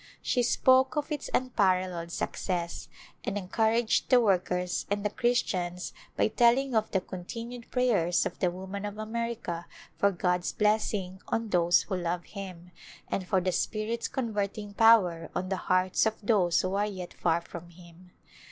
She spoke of its unparalleled success, and encouraged the workers and the Christians by telling of the continued prayers of the women of America for God's blessing on those who love Him, and for the Spirit's converting power on the hearts of those who are yet far from Him.